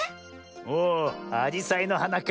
おおアジサイのはなか。